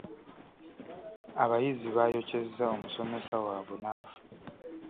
Abayizi baayokyezza omusomesa waabwe n'afa.